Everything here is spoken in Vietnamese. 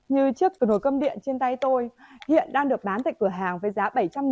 như chiếc nồi cơm điện trên tay tôi hiện đang được bán tại cửa hàng với giá bảy trăm linh đồng